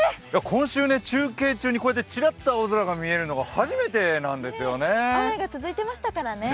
今週、中継中にちらっと青空が見えるの雨が続いてましたからね。